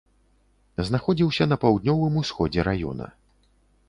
Знаходзіўся на паўднёвым усходзе раёна.